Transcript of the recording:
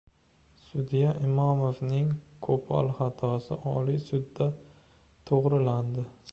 Sudya Imomovning qo‘pol xatosi Oliy sudda to‘g‘rilandi